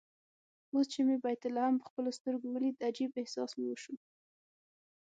اوس چې مې بیت لحم په خپلو سترګو ولید عجيب احساس مې وشو.